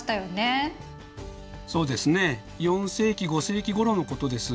そうですね４世紀５世紀ごろのことです。